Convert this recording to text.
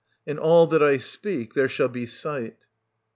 In all that I speak there shall be sight.